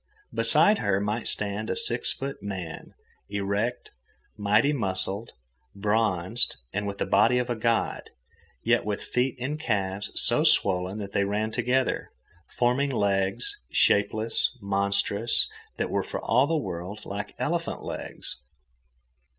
Beside her might stand a six foot man, erect, mighty muscled, bronzed, with the body of a god, yet with feet and calves so swollen that they ran together, forming legs, shapeless, monstrous, that were for all the world like elephant legs.